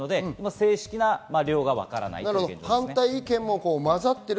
正式な量は分からないということです。